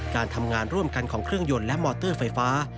การทำงานร่วมกันของเครื่องยนต์และมอเตอร์ไฟฟ้า